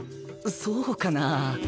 そうかなぁ。